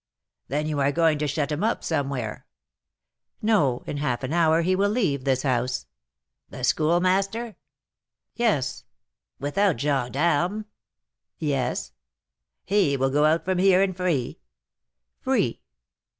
"Then you are going to shut him up somewhere?" "No; in half an hour he will leave this house." "The Schoolmaster?" "Yes." "Without gens d'armes?" "Yes." "He will go out from here, and free?" "Free."